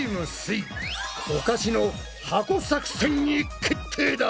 イ「おかしの箱作戦」に決定だ！